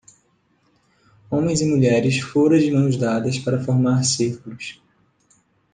Homens e mulheres fora de mãos dadas para formar círculos.